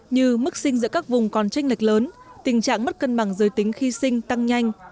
như mức sinh giữa các vùng còn tranh lệch lớn tình trạng mất cân bằng giới tính khi sinh tăng nhanh